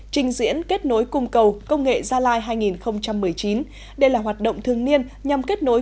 trình diễn kết nối cung cầu công nghệ gia lai hai nghìn một mươi chín đây là hoạt động thương niên nhằm kết nối